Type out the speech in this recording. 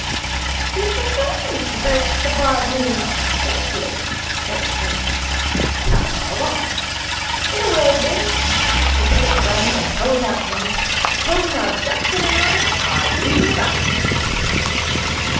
'You prefer me not to break the bad news gently?' said Psmith. 'Perhaps you are wise. In a word, then,' he picked up the brandy and held it out to him 'Comrade Jackson and myself are leaving the bank.'